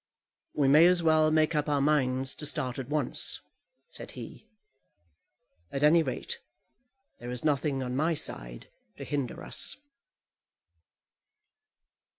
"We may as well make up our minds to start at once," said he. "At any rate, there is nothing on my side to hinder us."